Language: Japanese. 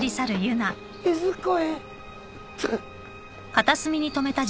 いずこへ？